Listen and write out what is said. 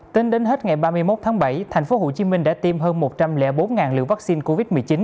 tính đến hết ngày ba mươi một tháng bảy tp hcm đã tiêm hơn một trăm linh bốn liều vaccine covid một mươi chín